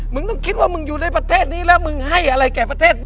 มึงต้องคิดว่ามึงอยู่ในประเทศนี้แล้วมึงให้อะไรแก่ประเทศ